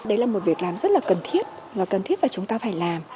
đây là một việc làm rất là cần thiết cần thiết và chúng ta phải làm